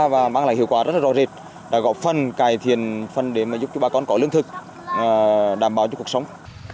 và mang lại hiệu quả rất rõ rệt đã góp phần cải thiện phần để giúp cho bà con có lương thực đảm bảo cho cuộc sống